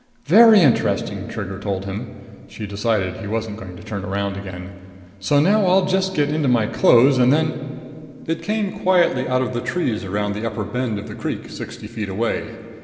"Very interesting," Trigger told him. She decided he wasn't going to turn around again. "So now I'll just get into my clothes, and then " It came quietly out of the trees around the upper bend of the creek sixty feet away.